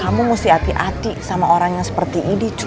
kamu mesti hati hati sama orang yang seperti ini